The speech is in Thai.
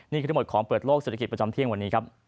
นี่คือทั้งหมดของเปิดโลกเศรษฐกิจประจำเที่ยงวันนี้ครับ